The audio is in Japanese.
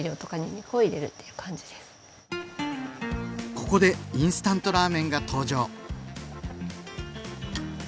ここでインスタントラーメンが登場。